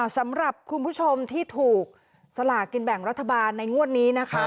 สำหรับคุณผู้ชมที่ถูกสลากินแบ่งรัฐบาลในงวดนี้นะคะ